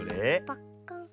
パッカーン。